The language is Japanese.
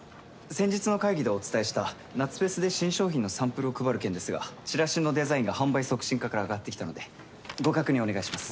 先日の会議でお伝えした夏フェスで新商品のサンプルを配る件ですがちらしのデザインが販売促進課から上がってきたのでご確認お願いします。